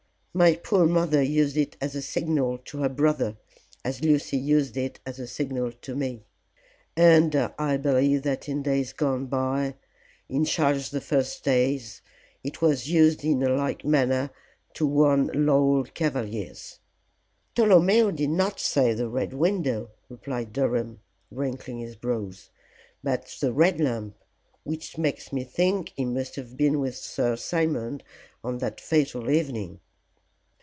My poor mother used it as a signal to her brother, as Lucy used it as a signal to me. And I believe that in days gone by in Charles the First's days it was used in a like manner to warn loyal cavaliers." "Tolomeo did not say the Red Window," replied Durham, wrinkling his brows, "but the Red Lamp, which makes me think he must have been with Sir Simon on that fatal evening."